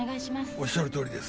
おっしゃるとおりです。